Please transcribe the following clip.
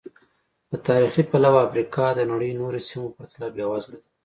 له تاریخي پلوه افریقا د نړۍ نورو سیمو په پرتله بېوزله ده.